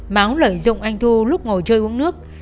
báo lợi dụng anh thu lúc ngồi chơi uống nước